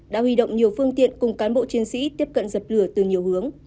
đã huy động nhiều phương tiện cùng cán bộ chiến sĩ tiếp cận dập lửa từ nhiều hướng